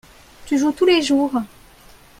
tu joues tous les jours.